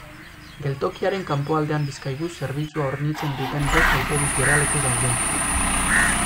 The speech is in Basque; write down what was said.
Geltokiaren kanpoaldean Bizkaibus zerbitzua hornitzen duten bost autobus geraleku daude.